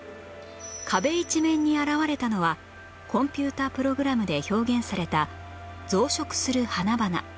壁一面に現れたのはコンピュータープログラムで表現された増殖する花々